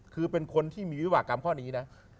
คือเป็นคนที่มีวิบากรรมข้อนี้นะ